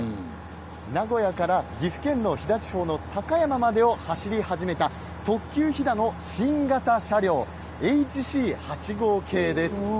名古屋から岐阜県の飛騨地方の高山までを走り始めた、特急ひだの新型車両、ＨＣ８５系です。